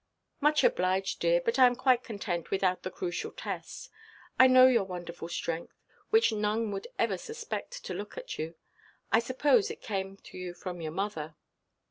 "Much obliged, dear; but I am quite content without the crucial test. I know your wonderful strength, which none would ever suspect, to look at you. I suppose it came to you from your mother."